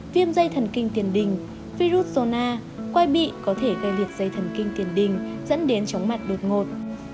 viêm dây thần kinh tiền đình virus zona quai bị có thể gây liệt dây thần kinh tiền đình dẫn đến chóng mặt đột ngột